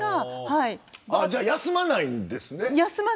じゃあ休まないんですね。